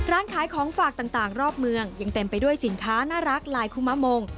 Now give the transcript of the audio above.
ร้านขายของฝากต่างรอบเมืองยังเต็มไปด้วยสินค้าน่ารักลายคุมะมง